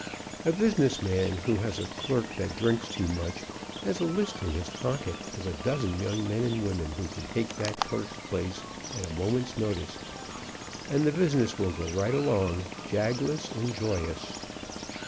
A business man who has a clerk that drinks too much has a list in his pocket of a dozen young men and women who can take that clerk's place at a moment's notice, and the business will go right along, jagless and joyous.